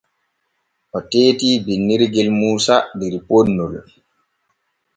O teetii binnirgel Muusa der ponnol.